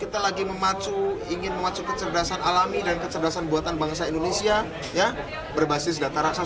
kalau kemudian narasinya adalah narasi mengkerdilkan diri tapi mengingat indonesia great again mengingat indonesia besar